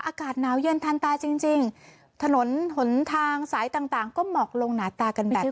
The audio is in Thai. อากาศหนาวเย็นทันตาจริงจริงถนนหนทางสายต่างก็หมอกลงหนาตากันแบบนี้